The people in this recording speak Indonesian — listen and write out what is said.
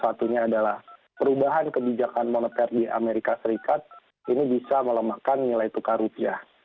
satunya adalah perubahan kebijakan moneter di amerika serikat ini bisa melemahkan nilai tukar rupiah